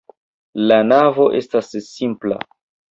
La navo estas simpla.